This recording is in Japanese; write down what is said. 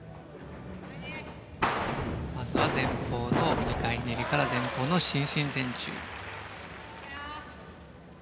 まずは前方の２回ひねりから前方の伸身前宙。